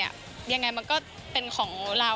ยังไงมันก็เป็นของเรา